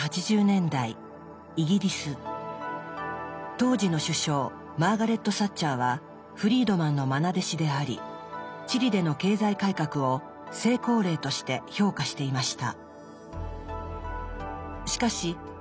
当時の首相マーガレット・サッチャーはフリードマンのまな弟子でありチリでの経済改革を成功例として評価していました。